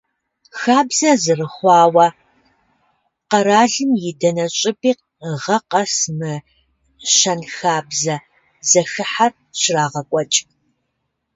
Хабзэ зэрыхъуауэ, къэралым и дэнэ щӀыпӀи гъэ къэс мы щэнхабзэ зэхыхьэр щрагъэкӀуэкӀ.